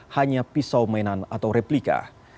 hanya pisau mainan atau replika